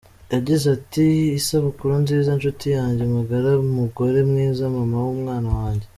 Yagize ati” Isabukuru nziza nshuti yanjye magara, mugore mwiza, mama w’umwana wanjye.